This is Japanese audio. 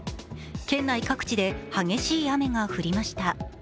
県内各地で激しい雨が降りました。